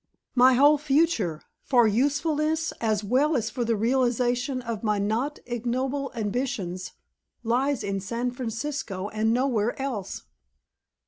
My whole future for usefulness as well as for the realization of my not ignoble ambitions lies in San Francisco and nowhere else?"